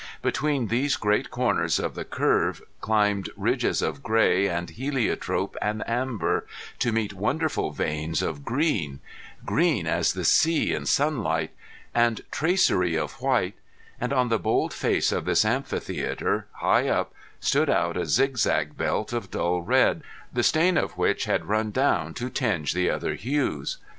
Between these great corners of the curve climbed ridges of gray and heliotrope and amber, to meet wonderful veins of green green as the sea in sunlight and tracery of white and on the bold face of this amphitheater, high up, stood out a zigzag belt of dull red, the stain of which had run down to tinge the other hues.